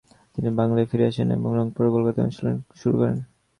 তিনি বাংলায় ফিরে আসেন এবং রংপুর ও কলকাতায় অনুশীলন শুরু করেন।